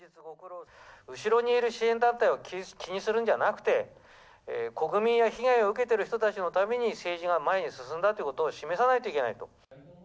後ろにいる支援団体を気にするんじゃなくて、国民や被害を受けている人たちのために、政治が前に進んだということを示さないといけないと。